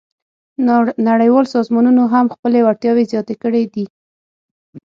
نړیوال سازمانونه هم خپلې وړتیاوې زیاتې کړې دي